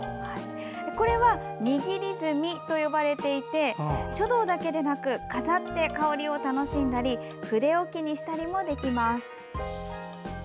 これは、にぎり墨と呼ばれていて書道だけでなく飾って香りを楽しんだり筆置きにしたりもできます。